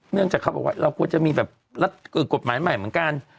เนื่องจากเขาบอกว่าเราควรจะมีแบบรัฐกฎหมายใหม่เหมือนกัน